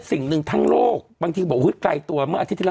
สิ่งหนึ่งทางโลกบางทีหลบกลายตัวเมื่ออาทิตย์ที่เรา